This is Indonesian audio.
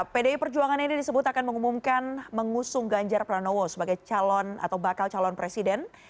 pdi perjuangan ini disebut akan mengumumkan mengusung ganjar pranowo sebagai calon atau bakal calon presiden